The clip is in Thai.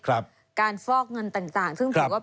การฟอกเงินต่างซึ่งถือว่า